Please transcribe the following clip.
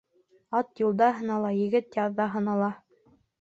Ат юлда һынала, егет яуҙа һынала.